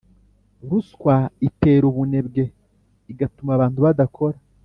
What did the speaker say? Ruswa itera ubunebwe, igatuma abantu badakora